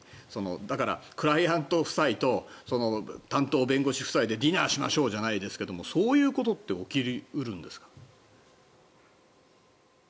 だからクライアント夫妻と担当弁護士夫妻でディナーしましょうじゃないですがそういうことって起き得るんですか？